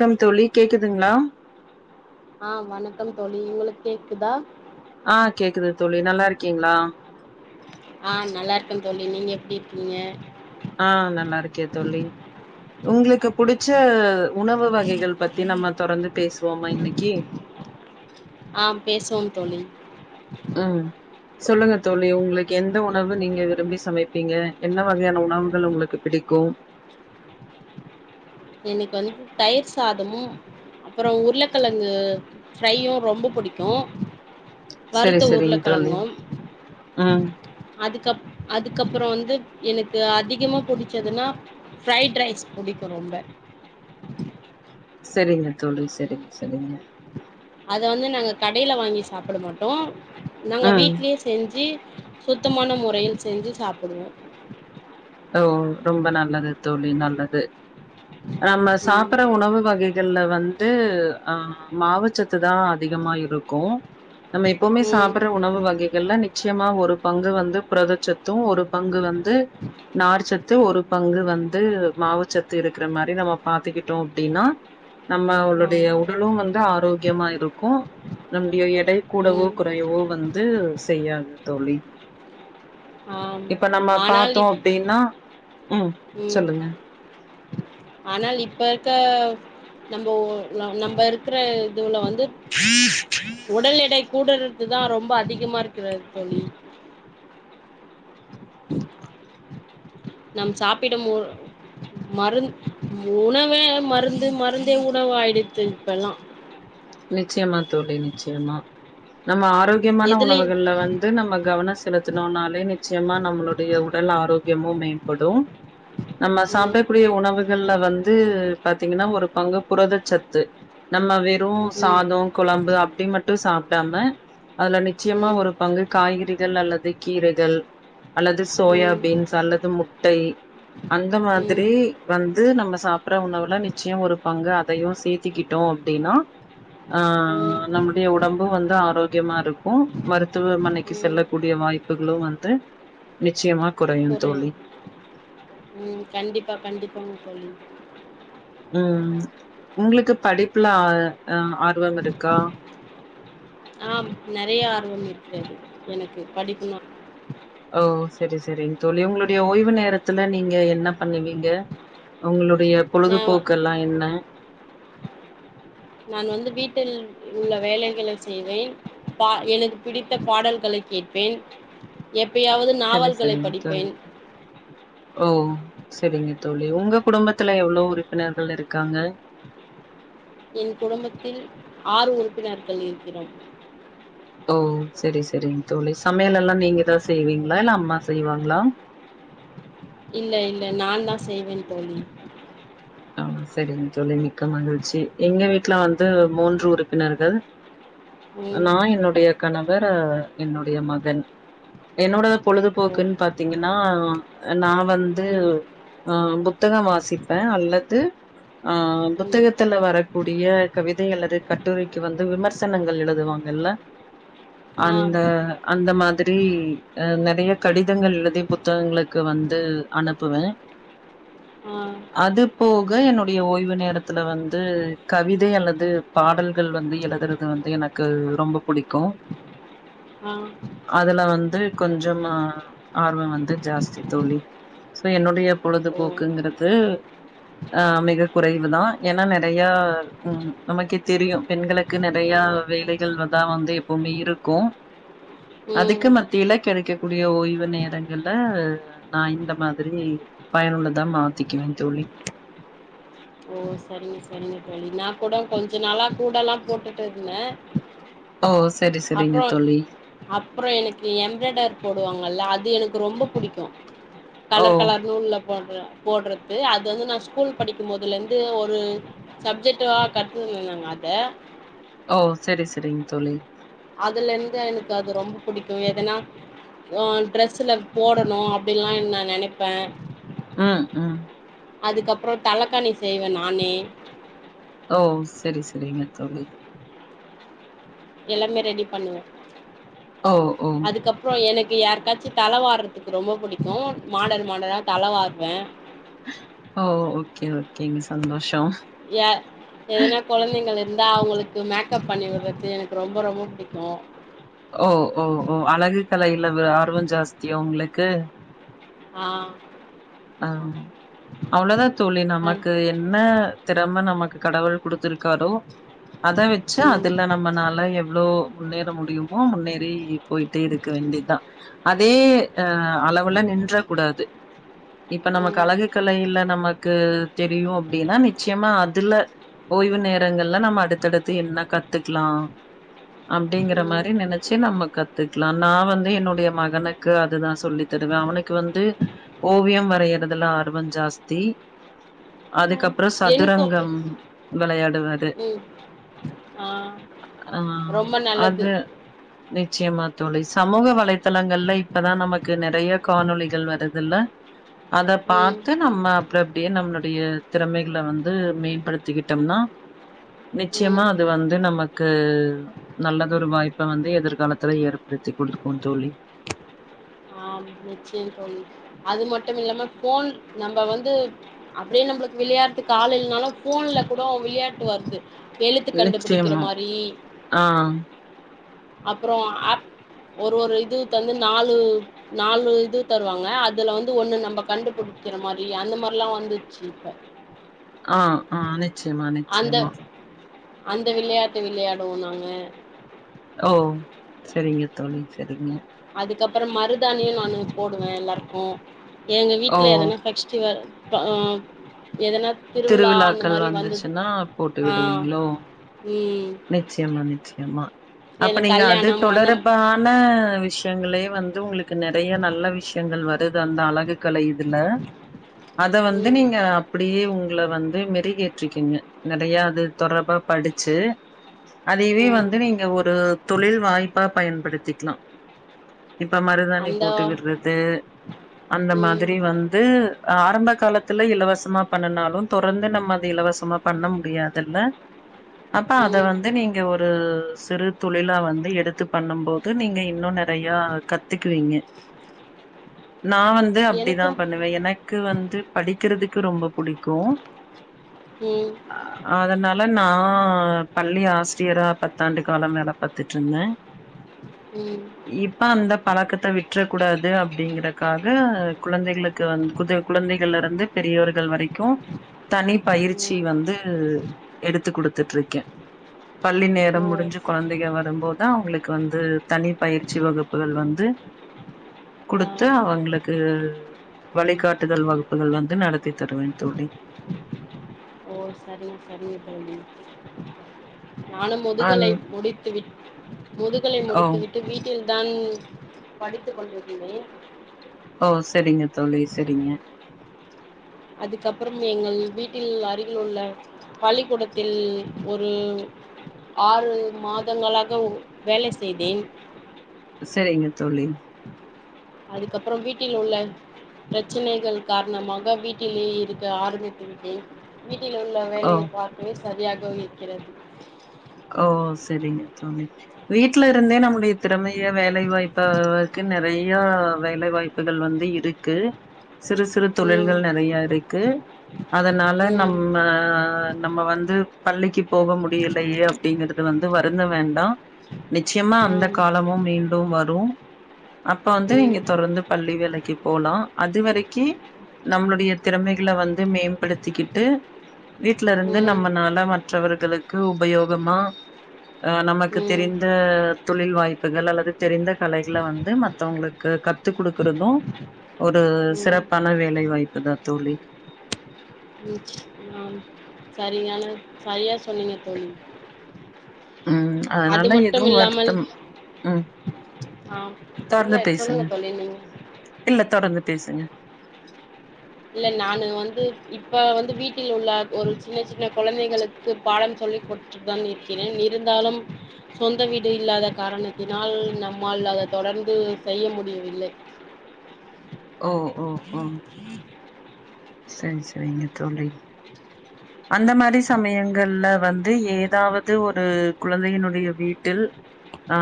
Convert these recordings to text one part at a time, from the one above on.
Come தோழி கேக்குதுங்ளா அ வணக்கம் தோழி உங்களுக் கேக்குதா ஆ கேக்குது தோழி நல்லாருக்கீங்ளா ஆ நல்லாருக்க தோழி நீங்க எப்டி இர்க்கீங்க ஆ நல்லாருக்கே தொல்லி உங்ளுக்கு புடுச்ச உணவு வகைகள் பத்தி நம்ம தொடர்ந்து பேசுவோமா இன்னக்கி ஆ பேஸ்வோ தோழி ம் சொல்லுங்க தோழி உங்ளுக்கு எந்த உணவு நீங்க விரும்பி சமைப்பீங்க என்ன வகையான உணவுகள் உங்களுக்கு பிடிக்கு எனுக்கு வந்து தயிர் சாதமு அப்புறோ உருளக்கெழங்கு ஃப்ரையு ரொம்ப புடிக்கு சரி வருத்த சரிங்க தோழி ஊர்லகலங்கு ம் அதுக்கப் அதுக்கப்புற வந்து எனக்கு அதிகமா புடிச்சதுனா ஃப்ரைட் ரைஸ் புடிக்கு ரொம்ப செரிங்க தோழி செரிங் செரிங்க அத வந்து நாங்க கடைல வாங்கி சாப்புட மாட்டோ நாங்க ம் வீட்லியே செஞ்சி சுத்தமான மொறையில் செஞ்சு சாப்புடுவோ அ ஒ ரொம்ப நல்லது தோழி நல்லது நம்ம ம் சாப்ற உணவு வகைகள்ல வந் து அ மாவச்சத்து தா அதிகமா இருக்கு நம்ம எப்போமே ம் சாப்புற்ற உணவு வகைகள்ல நீ ச்யமா ஒரு பங்கு வந்து புதச்சத்து ஒரு பங்கு வந்து நார்ச்சத்து ஒரு பங்கு வந்து மாவுச்சத்து இருக் க்ற மாரி நம்ம பாத்துக்கிட்டோ அப்டினா நம்ம ஆ அவ்ளுடைய உடலு வந் ஆரோக்யமா இருக்கு நம்டிய ஏ டை கூடவோ ம் குறையவோ வந் து செய்யாது தோழி ஆம் இப்ப நம்ம ஆனால் பாத்தோ இப் அப்டினா ம் ம் சொல்லுங்க ஆனால் இப்ப இருக்க நம்போ நம்ப இருக்குற இதுவுல வந் ஒடல் எடை கூடறதுதா ரொம்ப அதிகமா இருக்குற தோழி நம் சாப்பிடமூர் மருந் உணவே மருந்து மருந்தே உணவாயிடுத்து இப்பெல்லா நிச்யமா தோழி நிச்யமா நம்ம ஆரோக்யமான எதுலயு உணவுகள்ல வந்து நம்ம கவன செலுத்துணோனாலே நீ நிச்சயமா நம்மளுடைய உடல் ஆரோக்கியமும் மேம்படு நம்ம ம் சாப்பிடக்கூடிய உணவுகள்ல வந் து பாத்தீங்கன்னா ஒரு பங்கு புரதச்சத்து நம்ம வே ரு ம் சாதோ குழம்பு அப்டி மட்டு சாப் பிடாம அதுல நிச்சயமா ம் ஒரு பங்கு காய்கறிகள் அல்லது கீரைகள் அல்லது சோயா ம் பீன்ஸ் அல்லது மு ட்டை அந்த மாதிரி ம் வந்து நம்ம சாப் பிடற உணவுல நிச்சயோ ஒரு பங்கு அதையு சேத்திக்கிட்டோ அப்டினா ம் ஆஹ் நம்மமுடைய உடம்பு வந்து ஆரோக்கியமா இருக்கு மருத்துவமனைக்கு ம் செல்லக்கூடிய வாய்ப்புகளு வந்து நிச்சயமா குறையு கொறயு தோழி உம் கண்டிப்பா கண்டிப்பா தோழி உம் உங்களுக்கு படிப்புல ஆ அஹ் ஆர்வம் இருக்கா? ஆம் நெறயா ஆர்வம் இருக்கிறது எனக்கு படிப்புனா ஓ செரி சேரி தோழி உங்களுடைய ஓய்வு நேரத்துல நீங்க என்ன பண்ணுவீங்க உங்களு டைய நா பொழுதுபோக்கு எல்லா என்ன? நான் வந்து வீட்டில் உள்ள வேலைகளை செய்வேன் பா எனக்கு பிடித்த பாடல்களை கேட்பேன் எ ப்பயாவது சரி நாவல்களை சரிங்க தோழி படிப்பேன். செரிங்க தோழி உங்க குடும்பத்துல எவ்ளோ உறுப்பினர்கள் இருக்காங்க? என் குடும்பத்தில் ஆறு உறுப்பினர்கள் இருக்கிறோம். ஓ செரி சேரிங்க தோழி சமையல் எல்லா நீங்கதா செய்வீங்களா இல்ல அம்மா செய்வாங்களா? இல்ல இல்ல நான் தா செய்வேன் தோழி. ஆஹ் செரிங்க தோழி. மி்க்க மகிழ்ச்சி எங்க வீட் ட்ல வந்து மூன்று உறுப்பினர்கள். ம் நா என்னுடைய கணவ ர் என்னுடைய மகன் என்னோட ஓ பொழுதுபோக்குன் பாத்தீங்கன்னா நான் வந்து ம் பு த்தகம் வாசிப்ப அல்ல து ஆஹ் ம் புத்தகத்துல வரக்கூடிய கவிதை அல்லது கட்டுரைக்கு வந்து விமர்சனங்கள் எழுதுவாங்கல்ல ஆ அந்த அந்த மா திரி நெறைய கடிதங்கள் எழதி புத்தகங்கள் க்கு வந்து அனுப் ப்புவே ஆஹ் போக என்னுடைய ஓய்வு நேரத்துல வந்து கவிதை அல்லது பாடல்கள் வந்து எழுதுறது வந்து எனக்கு ரொம்ப புடிக்கோ ஆ அதுல வந் து கொஞ்சமா ஆர்வம் வந்து ஜாஸ்தி தோழி சோ என்னுடைய பொழுது ஓ போக்குங்கறது ஆஹ் மிக குறைவுதா ஏன்னா நெறைய உம் நமக்கே தெரியு பெண்களுக்கு நெறைய வேலைகள் தா வந்து எப்பவுமே இருக்கோ ம் அதுக்கு மத்தியில கெடைக்கக்கூடிய ஓய்வு நேரங்கள நா இந்த மாதிரி பயனுள்ளதா மாத்திக்குவே தோழி ஓ சரிங்க சரிங்க தோழி நா கூட கொஞ்ச நாளா கூட எல்லா போட்டுட்டு இருந்தே ஓ! சரி, சரிங்க அப்புற தோழி. அப்புறோ எனக்கு எம்பராய்டர் போடுவாங்கல்ல அது அது எனக்கு ரொம்ப புடிக்கோ கலர் ஓ! கலர்நூல்ல போட்ற போட்றது அது வந்து நா ஸ்கூல் படிக்கும் போதுல இருந்து ஒரு சப்ஜெக்டா கத்துகுனோங்க அத ஓ சேரி சேரிங்க தோழி அதுல இந்து எனக்கு அது ரொம்ப புடிக்கும் எதனா ட்ரெஸ்ல போடணு அப்டில்லா நா நெனைப்பே அஹம் உஹம் அதுக்கப்புறோ தலக்கானி செய்வே நானே ஓ சேரி சேரிங்க தோழி எல்லாமே ரெடி பண்ணுவே ஓ! ஓ! அதுக்கப்புறௌ எனக் யாருக்காச்சி தல வாறதுக்கு ரொம்ப புடிக்கும் மாடல் மாடலா தல வாறுவே ஓ ஓகே ஓகேங்க சந்தோஷோ எயா எதனா கொழந்தைங்கலு இருந்தா அவுங்களுக்கு மேக்கப் பண்ணி விட்றது எனக்கு ரொம்ப ரொம்ப புடிக்கோ ஓ ஓ ஓ அழகு கலையில ஆர்வோ ஜாஸ்தியா உங்களுக்கு ஆஹ் ஆஹ் அவ்ளோதா தோழி நமக்கு என்ன திறம நமக்கு கடவுள் குடுத்திருக்காரோ அத வெச்சு ம் அதுல நம்மளால எவ்வளோ முன்னேற முடியு போ முன்னேரி போயிட்டே இருக்க வேண்டிதா அதே அ அளவுல நின்ற கூடாது இப்ப நமக்கு ம் அழகு கலையில நமக்கு தெரியும் அப்டின்னா நிச்சயமா அதுல ஓய்வு நேரங்கள்ல நம்ம அடுத்தடுத்து என்ன கத்துக்கலா அப்டிங்கிற ம் மாரி நெனைச்சு நம்ம கத்துக்கலா நா வந்து என்னுடைய மகனுக்கு அதுதா சொல்லி தருவேன் அவனுக்கு வந்து ஓவியம் வரையுறதுல ஆர்வோ ஜாஸ்தி அதுக்கப் பறம் எனக்கு சதுரங்கம் விளையாடுவாரு ம் ஆ ஆ ரொம்ப நல்லது அது நிச்சயமா தோழி சமூக வலைதளங்கள்ல இப்பதா நமக்கு நெறையா காணொலிகள் வருதுல்ல அத ம் பாத்து நம்ம அப்பறோ இப்டியே நம் டைய திறமைகள வந்து மேம்படுத்திக்கிட்டம்னா ம் நிச்சயமா அது வந்து நமக் க்கு நல்லதொரு வாய்ப்ப வந்து எதிர்காலத்துல ஏற்படுத்தி குடுக்கும் தோழி நிச்சயோ தோழி அது மட்டுமில்லாம போன் நம்ம வந்து அப்டியே நம்மளுக்கு விளையாட்டுக்கு ஆல் இல்லனாலு போன்ல கூடோ விளையாட்டு வருது எழுத்து கண்டுபிடிக்கிற நிச்சயமா மாரி ஆ அப்பறோ ஃஆப் ஒரு ஒரு இது தந்து நாலு நாலு இது தருவாங்க அதுல வந்து ஒண்ணு நம்ம கண்டுபுடிக்கிற மாரி அந்த மாரில்லா வந்துச்சு இப்ப ஆ ஆ நிச் நிச்சயமா அந்த நிச்சயமா அந்த விளையாட்டு விளையாடுவோ நாங்க ஓ செரிங்க தோழி செரிங்க அதுக்கப்பறம் மருதானியு நானு போடுவே எல்லாருக்கு எங்க ஓ வீட்ல எதனா ஃபெக்ஸ்ட்டிவல் ப்ப ஆ எதனா திருவிழா அந்த திருவிழாக்கள் மாரி வந்து வந்துச்சுன்னா போட்டு ஆ விடுவீங்களோ ம் நிச்சயமா நிச்சயமா அப்ப எது நீங்க அது கல்யாணம் அந்த தொடர்பான விஷயங்களே வந்து உங்களுக் நெறையா நல்ல விஷ் ங்கள் வருது அந்த அழகுக்கலை இதுல அத வந்து ம் நீங்க அப்டியே உங் குல வந்து மெருகேற்றிக்கெங்க நெறையா அது தொடர்பா படிச்சு அதவே ம் வந்து நீங்க ஒரு தொழில் வாய்ப்பா பயன்படுத் திக்லா இப்ப மருதாணி அந்த போட்டு விடுறது அந்த ம் மாதிரி வந்து ஆ ஆரம்ப காலத்துல இலவசமா பண்ணுனாலும் தொடர்ந்து நம்ம அது இலவசமா பண்ண முடியாதுல்ல அப்ப அத ம் வந்து நீங்க ஒரு சிறு தொழிலா வந்து எடுத்து பண்ணும் போது நீங்க இன்னொன்னு நெறையா கத்துக்குவீங்க நா வந்து அப்டிதா எனக்கும் பண்ணுவே எனக்கு வந்து படிக்கிறதுக்கு ரொம்ப புடிக்கு ம் ஆஹ் அதனால நா நா பள்ளி ஆசிரியரா பத்தாண்டு காலம் வேல பாத்துட்ருந்தே ம் இப்ப அந்த பழக்கத்த வி்ட்றக்கூடாது அப்டிங்கிறக்காக குழந்தைகளுக்கு வந்து குடு குழந்தைகள்ல இருந்து பெரியவர்கள் வரைக்கு தனி பயிற்சி ம் வந்து எடுத்து குடுத் துட்ருக்கே பள்ளி ஓ நேரம் முடிஞ்சு கொழந்தைகள் வரும் போது தா அவங்களுக்கு வந்து தனி பயிற்சி வகுப்புகள் வந்து ஆ குடுத்து அவ்ங்களுக்கு வழிகாட்டுதல் வகுப்புகள் வந்து நடத்தி தருவே தோழி அஹ் சரிங் சரிங்க தோழி நானு அன் முதுகலை முடித்துவிட் முதுகலை ஓ முடித்துவிட்டு வீட்டில் தா படித்து கொண்டிருத்தே ஓ செரிங்க தோழி செரிங்க அதுக்கு அப்பறம் எங்கள் வீட்டில் அருகில் உள்ள பள்ளிக்கூடத்தில் ஒரு ஆறு மாதங்களாக ஒரு வேலை செய்தே செரிங்க தோழி அதுக்கு அப்பறம் வீட்டில் உள்ள பிரச்சனைகள் காரணமாக வீட்டிலேயே இருக்க ஆரம்மித்துவிட்டேன் வீட்டில் உள்ள ஓ வேலையை பார்ப்பது ச சரியாகவே இருக்கிறது ஓ செரிங்க தோழி வீட்ல இருந்தே நம்முடைய திறமைகள லை வாய்ப்பாருக்குன் நெறை யா வேலை வாய்ப்புகள் வந்து இருக்கு சிறு சிறு ம் தொழில்கள் நெறையா இருக்கு அதனால ம் நம்ம நம்ம வந்து பள்ளிக்கு போக முடியலையோ இது வந்து வருந்த வேண்டா நிச்சயமா அந்த ஆம் காலமும் மீண்டும் வரு அப்ப வந்து நீங்க ம் தொடர்ந்து பள்ளி வேலைக்கு போலா அது வரைக் கி நம்மளுடைய திறமைகள வந்து மேம்படுத்திக்கிட்டு வீட்ல இருந்து ம் நம்மனால வந் மற்றவர்களுக்கு உபயோக் ப்றமா ஆஹ் நமக்கு ம் தெரிந்து தொழில் வாய்ப்புகள் அல்லது தெரிந்த கலைகளை வந்து மத்தவங்களுக்கு கத்து குடுக்குறது ஒரு ம் சிறப்பான வேலை வாய்ப்பு தா தோழி ம் ஆம் சரியான சரியா சொ சொல்லுங்க தோழி உம் அது அதனால எதுவு மட்டும் இல்லாமல் வருத்தம் உம் ஆம் தொரந்து இல்ல பேசுங்க சொல்லுங்க தோழி நீங்க இல்ல தொடர்ந்து பேசுங்க இல்ல நானு வந்து இப்ப வந்து வீட்டில் உள்ள ஒரு சின்ன சின்ன கொழந்தைகளுக்கு பாடம் சொல்லி குடுத்துட்டுதான் இருக்கிறேன் இருந்தாலும் சொந்த வீடு இல்லாத காரணத்தினால் நம்மால் அதை தொடர்ந்து செய்ய முடியவில்லை ஓ ஓ ஓ சரி சரிங்க தோழி அந்த மாரி சமயங்கள்ல வந்து ஏதாவது ஒரு குழந்தையினுடைய வீட்டில் ஆ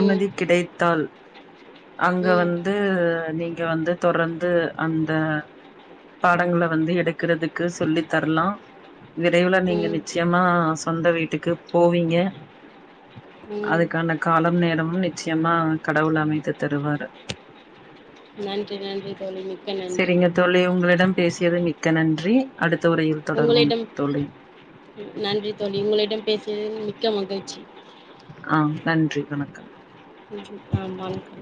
ம் கிடைத்தால் அங்க ம் வந்து நீ ங்க வந்து தொடர்ந்து அந்த பாடங்கள வந்து எடுக்கறதுக்கு சொல்லி தரலா விரைவுல நீங்க ம் நிச்சயமா சொந்த வீட்டுக்கு போவீங்க ம் அதுக்கான காலம் நேரமு நிச்சயமா கடவுள் அமைத்து தருவாரு நன்றி நன்றி தோழி மிக்க நன்றி செரிங்க தோழி உங்களிடம் பேசியது மிக்க நன் றி அடுத் த உரையில் தொடர்வோம் ம் நன்றி தோழி உங்களிடம் பேசியதில் மி மிக்க மகிழ்ச்சி ஆ நன்றி வணக்கம் ம் ஆ வணக்கம்